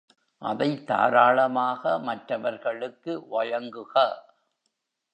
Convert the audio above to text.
அதைத் தாராளமாக மற்றவர்களுக்கு வழங்குக.